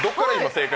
正解。